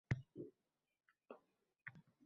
shuning uchun doim shu savol tug‘iladi